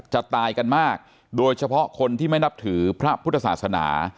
ตายกันมากโดยเฉพาะคนที่ไม่นับถือพระพุทธศาสนา